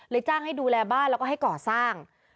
จ้างให้ดูแลบ้านแล้วก็ให้ก่อสร้าง